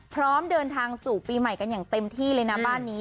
พร้อมเดินทางสู่ปีใหม่กันอย่างเต็มที่เลยนะบ้านนี้